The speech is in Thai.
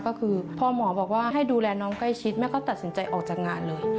ก็คือพอหมอบอกว่าให้ดูแลน้องใกล้ชิดแม่ก็ตัดสินใจออกจากงานเลย